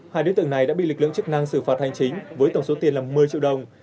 hai đối tượng này đã bị lực lượng chức năng xử phạt hành chính với tổng số tiền là một mươi triệu đồng